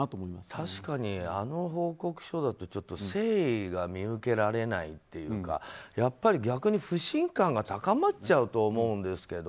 確かに、あの報告書だと誠意が見受けられないというかやっぱり逆に不信感が高まっちゃうと思うんですけど。